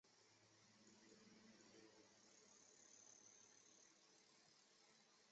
通常最主要的处理器是发动机控制器。